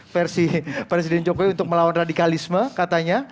versi presiden jokowi untuk melawan radikalisme katanya